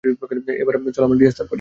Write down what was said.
এবার চলো আমরা রিহার্সাল করি।